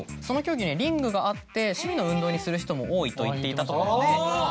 その競技にはリングがあって趣味の運動にする人も多いと言っていたところで。